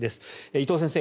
伊藤先生